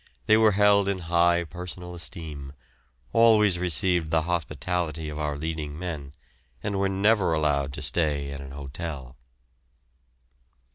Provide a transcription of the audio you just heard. They were held in high personal esteem, always received the hospitality of our leading men, and were never allowed to stay at an hotel.